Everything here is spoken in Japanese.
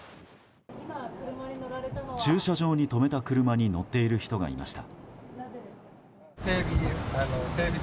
駐車場に止めた車に乗っている人がいました。